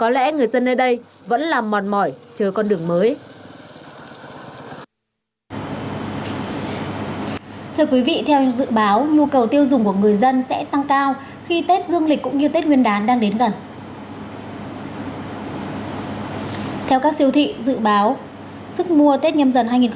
có lẽ người dân nơi đây vẫn là mòn mỏi chờ con đường mới